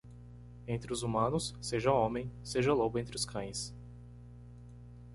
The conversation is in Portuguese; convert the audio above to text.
Entre os humanos, seja homem, seja lobo entre os cães.